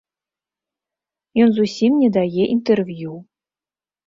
Ён зусім не дае інтэрв'ю.